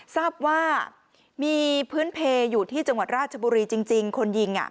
ทราบว่ามีพื้นเพลอยู่ที่จังหวัดราชบุรีจริงคนยิง